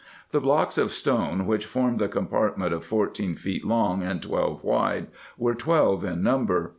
The blocks of stone, which formed the compartment of fourteen feet long and twelve wide, were twelve in number.